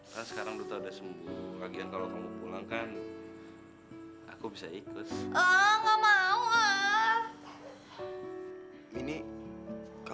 tidak ada yang bisa ngasih ini sebagai hukumannya